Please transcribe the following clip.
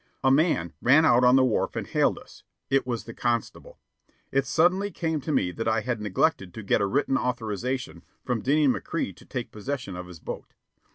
A man ran out on the wharf and hailed us. It was the constable. It suddenly came to me that I had neglected to get a written authorization from Dinny McCrea to take possession of his boat.